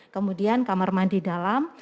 kemudian kamar mandi dalam